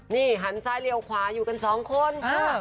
นี่หันซ้ายเลี้ยวขวาอยู่กันสองคน